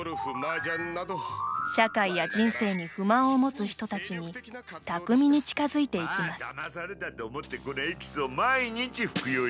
社会や人生に不満を持つ人たちに巧みに近づいていきます。